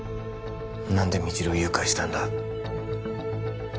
何で未知留を誘拐したんだ？